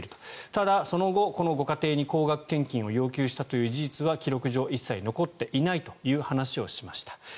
ただ、その後、このご家庭に高額献金を要求したという事実は記録上一切残っていないという話をしました。